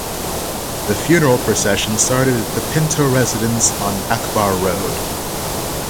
The funeral procession started at the Pinto residence on Akbar Road.